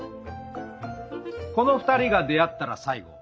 この２人が出会ったら最後！